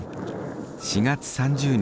４月３０日